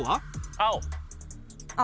青。